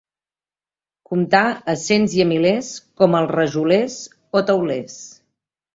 Comptar a cents i a milers com els rajolers o teulers.